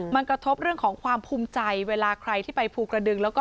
มันกระทบเรื่องของความภูมิใจเวลาใครที่ไปภูกระดึงแล้วก็